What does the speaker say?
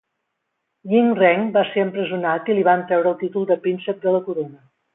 Yinreng va ser empresonat i li van treure el títol de Príncep de la Corona.